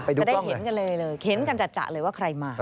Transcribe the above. จะได้เห็นกันจัดจะเลยว่าใครมา